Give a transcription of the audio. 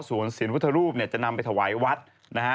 ส่วนเสียงพุทธรูปเนี่ยจะนำไปถวายวัดนะฮะ